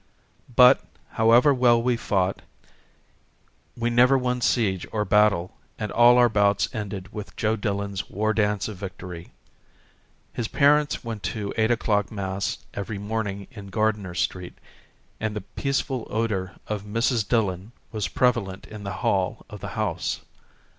But, however well we fought, we never won siege or battle and all our bouts ended with Joe Dillon's war dance of victory. His parents went to eight o'clock mass every morning in Gardiner Street and the peaceful odour of Mrs Dillon was prevalent in the hall of the house.